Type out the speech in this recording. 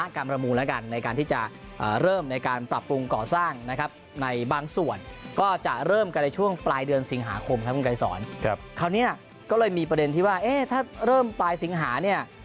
คราวนี้ก็เลยมีประเด็นที่ว่าถ้าเริ่มปลายสิงหาเนี่ย